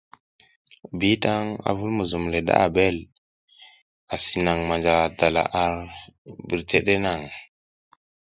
Bitan a vul muzum le da Abel, asi naŋ manja dala ar birtete naŋ.